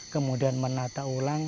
kemudian menata ulang